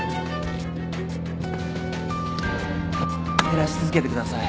照らし続けてください。